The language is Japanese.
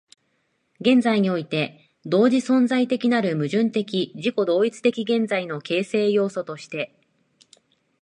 現在において同時存在的なる矛盾的自己同一的現在の形成要素として、